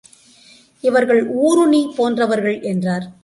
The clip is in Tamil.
இவர்கள் ஊருணி போன்றவர்கள் என்றார்.